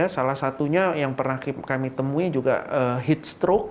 salah satunya yang pernah kami temui juga heat stroke